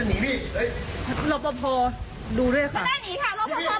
อันนี้เป็นมามาระบังตัวเองมารักษาตัวเอง